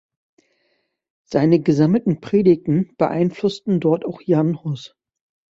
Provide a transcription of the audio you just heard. Seine gesammelten Predigten beeinflussten dort auch Jan Hus.